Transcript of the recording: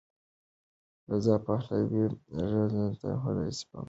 رضا پهلوي له هغې راهیسې په امریکا کې ژوند کوي.